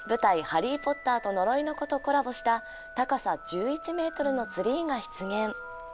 「ハリー・ポッターと呪いの子」とコラボした高さ１１ｍのツリーが出現。